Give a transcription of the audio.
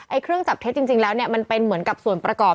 เครื่องจับเท็จจริงแล้วเนี่ยมันเป็นเหมือนกับส่วนประกอบ